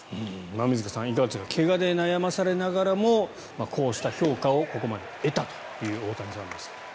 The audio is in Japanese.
馬見塚さんいかがでしょうか怪我で悩まされながらもこうした評価をここまで得たという大谷さんですが。